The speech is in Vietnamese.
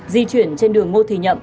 di chuyển trên đường ngô thì nhậm